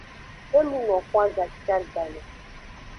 E luno xwan gashiagame.